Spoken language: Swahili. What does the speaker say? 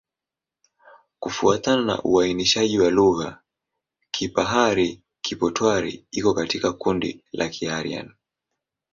Kufuatana na uainishaji wa lugha, Kipahari-Kipotwari iko katika kundi la Kiaryan.